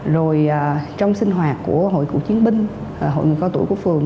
rồi trong sinh hoạt của hội cựu chiến binh hội người cao tuổi của phường